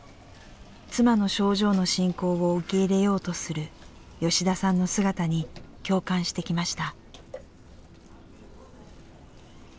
妻の症状の進行を受け入れようとする吉田さんの姿に共感してきました。